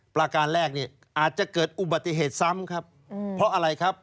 ประการแรกเนี่ยอาจจะเกิดอุบัติเหตุซ้ำครับเพราะอะไรครับ